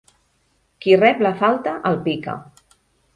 Qui rep la falta, el pica.